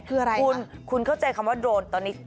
คืออะไรคุณคุณเข้าใจคำว่าโดรนตอนนี้